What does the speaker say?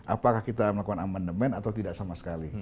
apakah kita melakukan amandemen atau tidak sama sekali